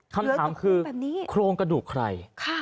คำถามคือโครงกระดูกใคร